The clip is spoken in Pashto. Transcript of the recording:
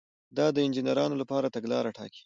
دا د انجینر لپاره تګلاره ټاکي.